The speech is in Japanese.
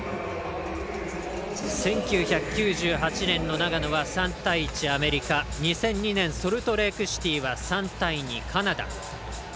１９９８年の長野は３対１でアメリカ２００２年ソルトレークシティー３対２、カナダ。